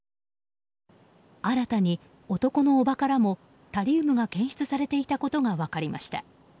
新たに男の叔母からもタリウムが検出されていたことが分かりました。